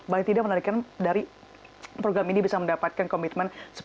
baik tidak menarikkan dari program ini bisa mendapatkan komitmen